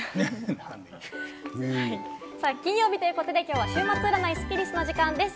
金曜日ということで今日は週末占いスッキりすの時間です。